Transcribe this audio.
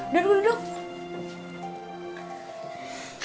duduk duduk duduk